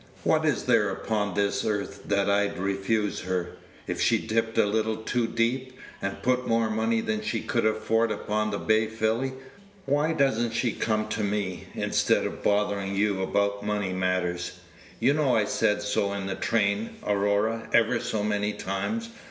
What is there upon this earth that I'd refuse her? If she dipped a little too deep, and put more money than she could afford upon the bay filly, why does n't she come to me, instead of bothering you about Page 95 money matters? You know I said so in the train, Aurora, ever so many times.